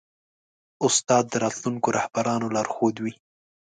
استاد د راتلونکو رهبرانو لارښود وي.